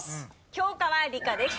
教科は理科です。